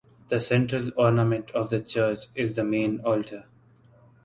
The central ornament of the church is the main altar.